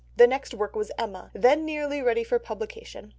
The next work was Emma, then nearly ready for publication.